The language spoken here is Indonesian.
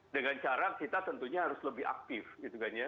dengan cara kita tentunya harus lebih aktif gitu kan ya